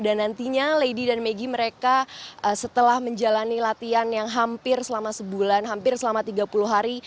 dan nantinya lady dan maggie mereka setelah menjalani latihan yang hampir selama sebulan hampir selama tiga puluh hari